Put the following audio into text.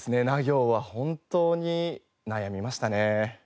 ナ行は本当に悩みましたね。